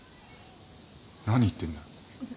何言ってんだよ？